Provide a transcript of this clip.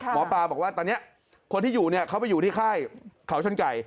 หมอปลาบอกว่าตอนนี้คนที่อยู่เนี่ยเขาไปอยู่ที่ค่ายเขาชนไก่